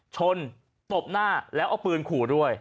ตบหน้าแล้วเอาปืนขู่ด้วย